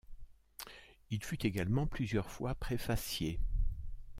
Il fut également plusieurs fois préfacier.